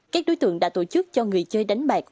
các đối tượng đã tổ chức cho người chơi đánh bạc